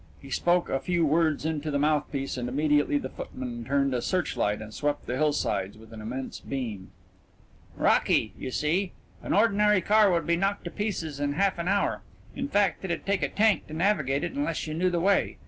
He spoke a few words into the mouthpiece and immediately the footman turned on a searchlight and swept the hillsides with an immense beam. "Rocky, you see. An ordinary car would be knocked to pieces in half an hour. In fact, it'd take a tank to navigate it unless you knew the way.